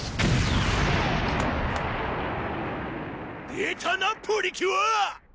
出たなプリキュア！